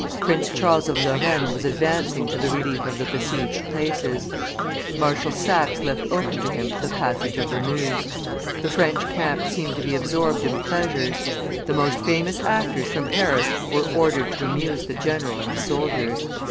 Prince Charles of Lorraine was advancing to the relief of the besieged places; Marshal Saxe left open to him the passage of the Meuse. The French camp seemed to be absorbed in pleasures; the most famous actors from Paris were ordered to amuse the general and the soldiers.